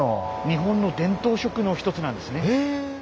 日本の伝統色の一つなんですね。